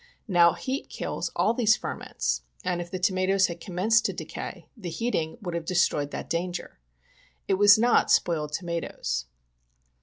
Now, heat kills all these ferments, and if the tomatoes had commenced to decay, the heating would have destroyed that danger. It was not spoiled tomatoes.